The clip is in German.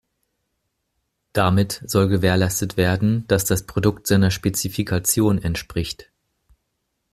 Damit soll gewährleistet werden, dass das Produkt seiner Spezifikation entspricht.